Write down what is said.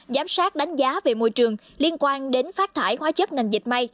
giám sát đánh giá về môi trường liên quan đến phát thải hóa chất ngành dịch may